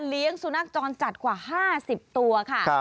เลี้ยงสุนัขจรจัดกว่า๕๐ตัวค่ะ